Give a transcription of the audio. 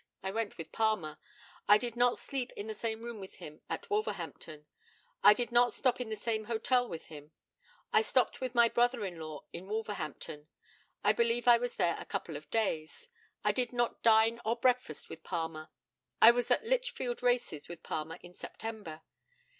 I went with Palmer. I did not sleep in the same room with him at Wolverhampton. I did not stop at the same hotel with him. I stopped with my brother in law in Wolverhampton. I believe I was there a couple of days. I did not dine or breakfast with Palmer. I was at Lichfield races with Palmer in September.